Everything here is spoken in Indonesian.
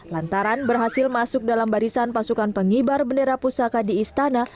lantaran berhasil masuk dalam barisan pasukan pengibar bendera pusaka di istana